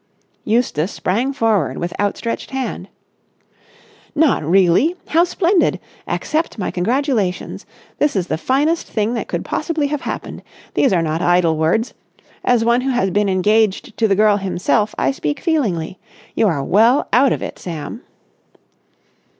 Eustace sprang forward with outstretched hand. "Not really? How splendid! Accept my congratulations! This is the finest thing that could possibly have happened. These are not idle words. As one who has been engaged to the girl himself, I speak feelingly. You are well out of it, Sam."